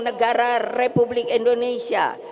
negara republik indonesia